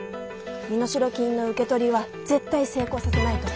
身代金の受け取りは絶対成功させないと。